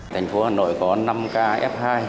thành phố hà nội có năm ca f hai